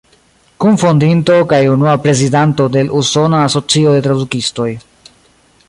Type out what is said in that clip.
Kunfondinto kaj unua prezidanto de l' Usona Asocio de Tradukistoj.